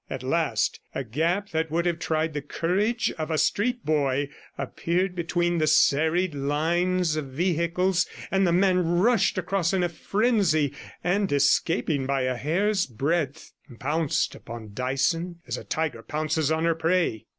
At last a gap that would have tried the courage of a street boy appeared between the serried lines of vehicles, and the man rushed across in a frenzy, and escaping by a hair's breadth, pounced upon Dyson as a tiger pounces on her prey.